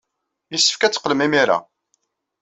Yessefk ad teqqlem imir-a.